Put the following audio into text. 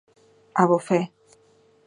Abofé.